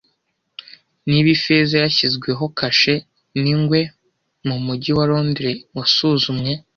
Niba ifeza yashyizweho kashe n'ingwe mumujyi wa Londres wasuzumwe